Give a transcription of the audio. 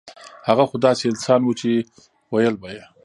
هغه خو داسې انسان وو چې وييل به يې